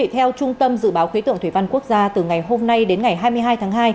theo trung tâm dự báo khí tượng thủy văn quốc gia từ ngày hôm nay đến ngày hai mươi hai tháng hai